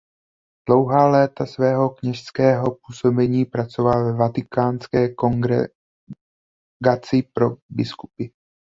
Dlouhá léta svého kněžského působení pracoval ve vatikánské kongregaci pro biskupy.